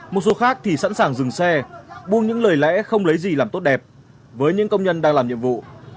một số khác thì sẵn sàng dừng xe buông những lời lẽ không lấy gì làm tốt đẹp với những công nhân đang làm nhiệm vụ